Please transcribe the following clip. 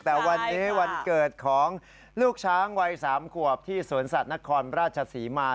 แต่วันนี้วันเกิดของลูกช้างวัย๓ขวบที่สวนสัตว์นครราชศรีมา